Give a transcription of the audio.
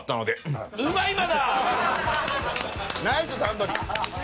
ナイス段取り。